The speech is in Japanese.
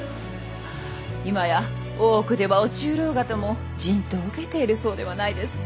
今や大奥では御中臈方も人痘を受けているそうではないですか。